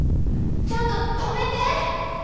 ちょっと止めて！